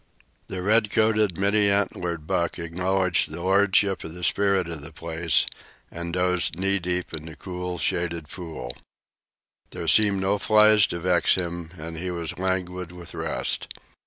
The red coated, many antlered buck acknowledged the lordship of the spirit of the place and dozed knee deep in the cool, shaded pool. There seemed no flies to vex him and he was languid with rest.